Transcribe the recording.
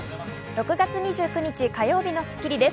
６月２９日、火曜日の『スッキリ』です。